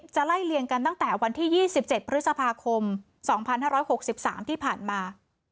ไล่เลี่ยงกันตั้งแต่วันที่๒๗พฤษภาคม๒๕๖๓ที่ผ่านมา